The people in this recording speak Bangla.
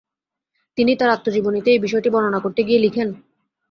তিনি তার আত্মজীবনীতে এই বিষয়টি বর্ণনা করতে গিয়ে লিখেন: